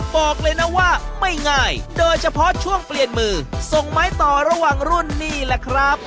บอกเลยนะว่าไม่ง่ายโดยเฉพาะช่วงเปลี่ยนมือส่งไม้ต่อระหว่างรุ่นนี่แหละครับ